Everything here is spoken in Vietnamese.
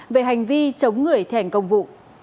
về hành vi chống người thẻnh công vụ